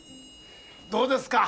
どうですか？